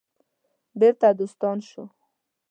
بیرته دوستان شو.